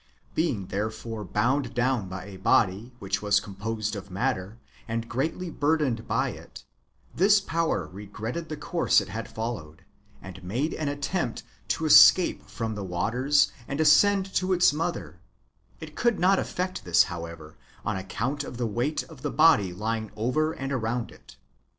Being there fore bound down by a body which was composed of matter, and greatly burdened by it, this power regretted the course it had followed, and made an attempt to escape from the waters and ascend to its mother : it could not effect this, however, on account of the weight of the body lying over and around it.